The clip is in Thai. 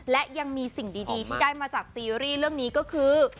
และยังมีสิ่งดีที่ได้มาจากซีรีส์เรื่องนี้ก็คือ